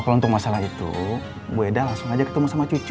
oh kalau untuk masalah itu bu edah langsung ajak ketemu sama cucu